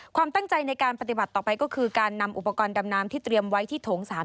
ความตั้งใจในการปฏิบัติต่อไปก็คือการนำอุปกรณ์ดำน้ำที่เตรียมไว้ที่โถง๓